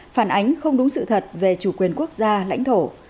phản ánh không đúng sự thật về chủ quyền quốc gia lãnh thổ